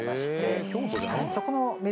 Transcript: そこの湖